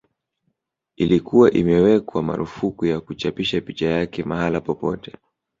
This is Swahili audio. Ilikuwa imewekwa marufuku ya kuchapisha picha yake mahala popote